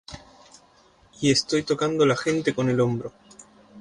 Y estoy tocando la gente en el hombro.